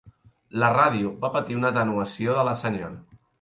La ràdio va patir una atenuació de la senyal.